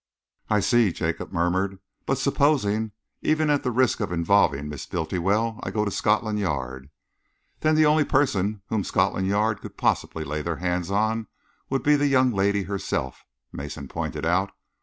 "I see," Jacob murmured. "But supposing, even at the risk of involving Miss Bultiwell, I go to Scotland Yard?" "Then the only person whom Scotland Yard could possibly lay their hands on would be the young lady herself," Mason pointed out.